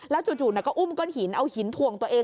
จู่ก็อุ้มก้อนหินเอาหินถ่วงตัวเอง